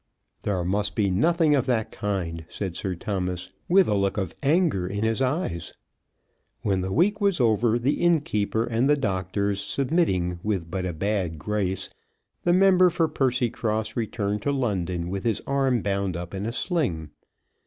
"There must be nothing of that kind," said Sir Thomas, with a look of anger in his eyes. When the week was over, the innkeeper and the doctors submitting with but a bad grace, the member for Percycross returned to London with his arm bound up in a sling.